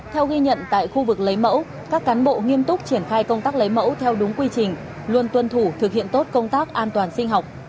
theo ghi nhận tại khu vực lấy mẫu các cán bộ nghiêm túc triển khai công tác lấy mẫu theo đúng quy trình luôn tuân thủ thực hiện tốt công tác an toàn sinh học